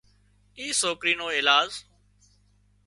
اي سوڪري نو ايلاز